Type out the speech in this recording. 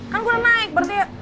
kan gue naik berarti ya